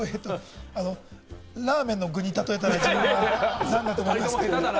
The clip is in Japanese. ラーメンの具に例えたら自分は何ですか？とか。